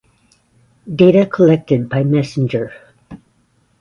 Data collected by Msgr.